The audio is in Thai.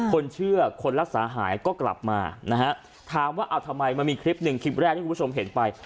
คนเชื่อคนรักษาหายก็กลับมานะฮะถามว่าเอาทำไมมันมีคลิปหนึ่งคลิปแรกที่คุณผู้ชมเห็นไป